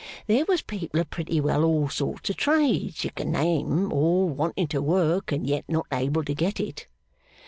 There was people of pretty well all sorts of trades you could name, all wanting to work, and yet not able to get it.